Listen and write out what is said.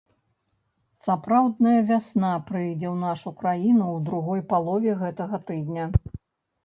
Сапраўдная вясна прыйдзе ў нашу краіну ў другой палове гэтага тыдня.